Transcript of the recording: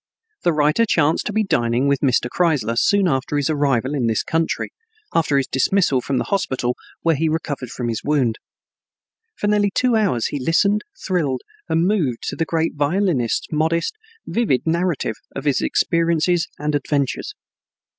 The writer chanced to be dining with Mr. Kreisler soon after his arrival in this country, after his dismissal from the hospital where he recovered from his wound. For nearly two hours he listened, thrilled and moved, to the great violinist's modest, vivid narrative of his experiences and adventures.